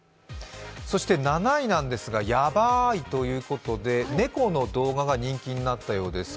７位なんですが、ヤバいということで猫の動画が人気になったようです。